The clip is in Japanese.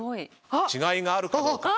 違いがあるかどうか。